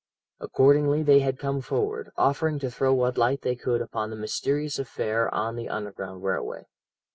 Accordingly they had come forward, offering to throw what light they could upon the mysterious affair on the Underground Railway.